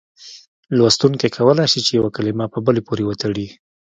لوستونکی کولای شي چې یوه کلمه په بلې پورې وتړي.